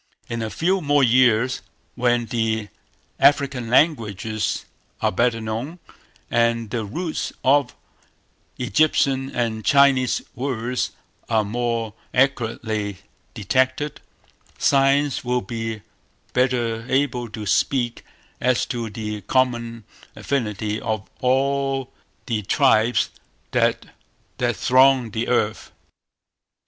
In a few more years, when the African languages are better known, and the roots of Egyptian and Chinese words are more accurately detected, Science will be better able to speak as to the common affinity of all the tribes that throng the earth.